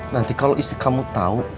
nanti kalau istri kamu tahu